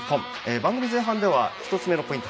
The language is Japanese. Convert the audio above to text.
番組前半では１つ目のポイント